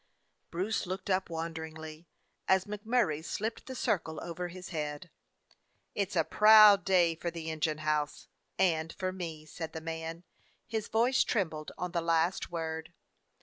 Bruce looked up wonderingly as MacMur ray slipped the circle over his head. It 's a proud day for the engine house, and for me," said the man. His voice trembled on the last word.